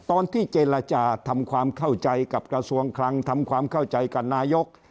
ตอนที่เจรจาทำความเข้าใจกับกระทรวงคลังทำความเข้าใจกับนายก